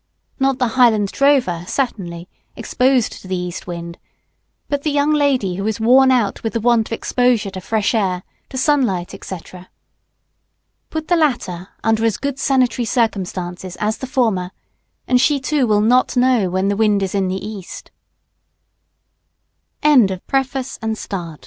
Not the Highland drover, certainly, exposed to the east wind, but the young lady who is worn out with the want of exposure to fresh air, to sunlight, &c. Put the latter under as good sanitary circumstances as the former, and she too will not know when the wind is